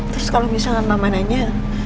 terus kalau misalkan mama nanya